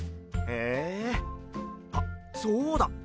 へえあっそうだ！